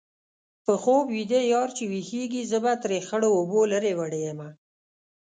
په خوب ویده یار چې ويښېږي-زه به ترې خړو اوبو لرې وړې یمه